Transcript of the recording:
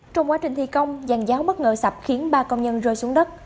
trong quá trình thi công giàn giáo bất ngờ sập khiến ba công nhân rơi xuống đất